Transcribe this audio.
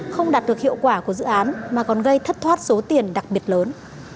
không đạt được hiệu quả của dự án mà còn gây thất thoát số tiền đặc biệt lớn